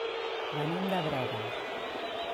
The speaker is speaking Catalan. Venim de Breda.